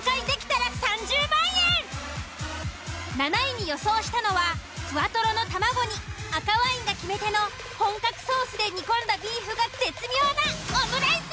７位に予想したのはふわとろの卵に赤ワインが決め手の本格ソースで煮込んだビーフが絶妙なオムライス。